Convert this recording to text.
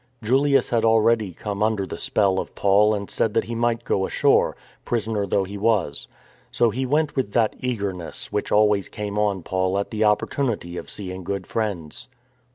Julius had already come under the spell of Paul and said that he might go ashore, prisoner though he was. So he went with that eagerness which always came on Paul at the opportunity of seeing good friends.